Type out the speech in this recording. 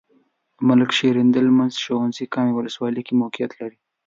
د ملک شیریندل منځنی ښونځی کامې ولسوالۍ کې موقعیت لري.